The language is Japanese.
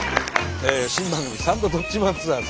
新番組「サンドどっちマンツアーズ」。